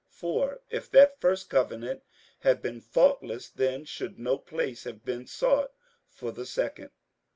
58:008:007 For if that first covenant had been faultless, then should no place have been sought for the second.